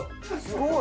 すごい。